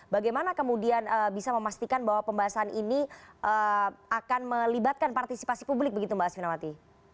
bagaimana kemudian bisa memastikan bahwa pembahasan ini akan melibatkan partisipasi publik begitu mbak asvinawati